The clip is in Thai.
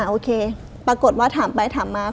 โอเคปรากฏว่าถามไปถามมา